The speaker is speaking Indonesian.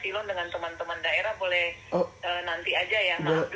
silon dengan teman teman daerah boleh nanti aja ya